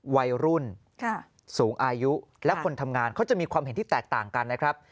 วัยรุ่นสูงอายุและคนทำงานเขาจะมีความเห็นที่แตกต่างกันนะครับ